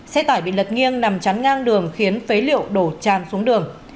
xe tải bị lật nghiêng nằm chắn ngang đường khiến phế liệu đổ tràn xuống đường